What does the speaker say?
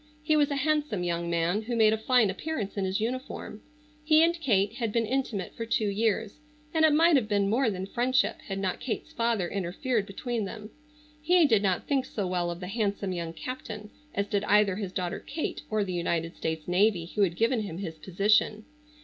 He was a handsome young man who made a fine appearance in his uniform. He and Kate had been intimate for two years, and it might have been more than friendship had not Kate's father interfered between them. He did not think so well of the handsome young captain as did either his daughter Kate or the United States Navy who had given him his position.